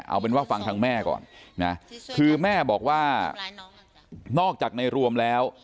เอาเป็นว่าฟังทางแม่ก่อนนะคือแม่บอกว่านอกจากในรวมแล้ว